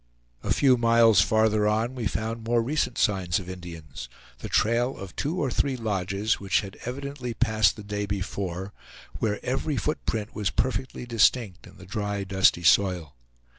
A few miles farther on we found more recent signs of Indians; the trail of two or three lodges, which had evidently passed the day before, where every foot print was perfectly distinct in the dry, dusty soil.